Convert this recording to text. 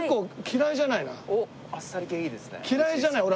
嫌いじゃない俺。